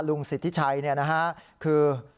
ลุงสิทธิชัยเนี่ยนะฮะคือ